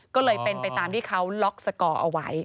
ก็เลยเป็นไปตามที่เขาล็อกสกอร์เอาไว้